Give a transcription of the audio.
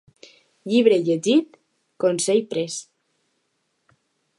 Llibre llegit, consell pres.